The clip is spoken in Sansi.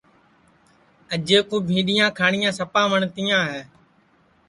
اجئے کُو بھینٚڈؔیاں کھاٹؔیاں سپا وٹؔتیاں ہے